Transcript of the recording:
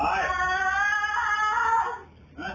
สังเกตกันบ้าง